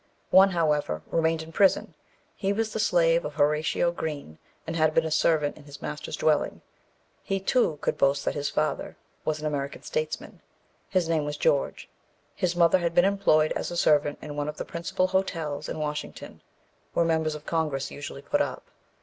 One, however, remained in prison. He was the slave of Horatio Green, and had been a servant in his master's dwelling. He, too, could boast that his father was an American statesman. His name was George. His mother had been employed as a servant in one of the principal hotels in Washington, where members of Congress usually put up.